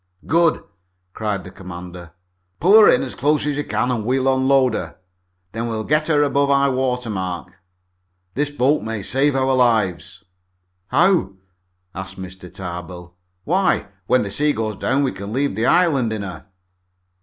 "Good!" cried the commander. "Pull her in as close as you can and we'll unload her. Then we'll get her above high water mark. This boat may save our lives." "How?" asked Mr. Tarbill. "Why, when the sea goes down we can leave the island in her."